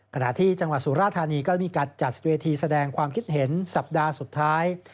ขณะที่จังหวัดสุราธานีก็มีการจัดเวทีแสดงความคิดเห็นสัปดาห์สุดท้าย